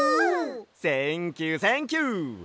センキューセンキュー！